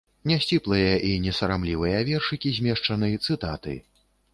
Нясціплыя і несарамлівыя вершыкі змешчаны, цытаты.